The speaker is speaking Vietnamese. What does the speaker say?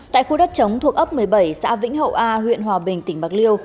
tại khu đất chống thuộc ấp một mươi bảy xã vĩnh hậu a huyện hòa bình tỉnh bạc liêu